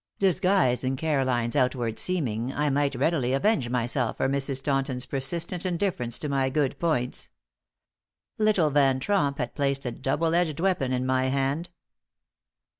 Disguised in Caroline's outward seeming I might readily avenge myself for Mrs. Taunton's persistent indifference to my good points. Little Van Tromp had placed a double edged weapon in my hand.